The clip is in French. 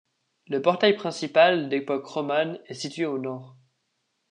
Le portail principal, d'époque romane, est situé au nord.